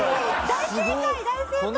大正解大正解！